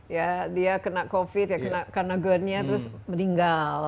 ya dia kena covid ya karena gerdnya terus meninggal